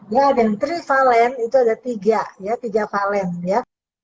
ya dan trivalen itu ada tiga ya tiga valen ya